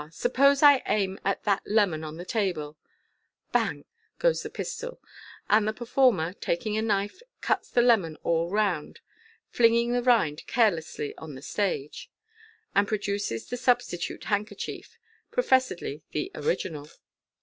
suppose I aim at that lemon on the table ?'*" Bang !" goes the pistol, and the performer, taking a knife, cuts the lemon all round (flinging the rind carelessly on the stage), and produces the substitute handkerchief (professedly the original).